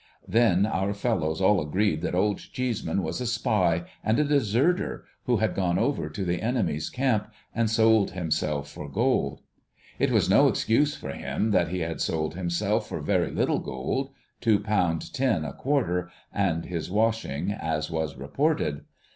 Then our fellows all agreed that Old Cheeseman was a spy, and a deserter, who had gone over to the enemy's camp, and sold him self for gold. It was no excuse for him that he had sold himself for very little gold — two pound ten a quarter and his washing, as was reported.